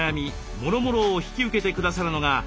もろもろを引き受けて下さるのが。